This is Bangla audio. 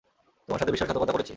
তোমার সাথে বিশ্বাসঘাতকতা করেছি।